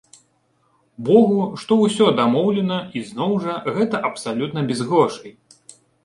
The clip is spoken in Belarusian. Богу, што ўсё ўжо дамоўлена, і зноў жа, гэта абсалютна без грошай!